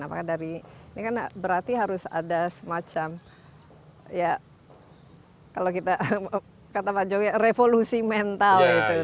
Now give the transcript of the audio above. apakah dari ini kan berarti harus ada semacam ya kalau kita kata pak jokowi revolusi mental itu